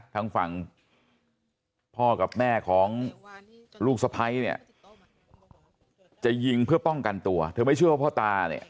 ทางฝั่งพ่อกับแม่ของลูกสะพ้ายเนี่ยจะยิงเพื่อป้องกันตัวเธอไม่เชื่อว่าพ่อตาเนี่ย